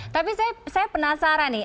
tapi saya penasaran nih